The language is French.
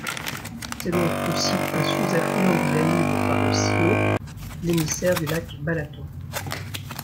C'est donc aussi un sous-affluent du Danube par le Sió, l'émissaire du Lac Balaton.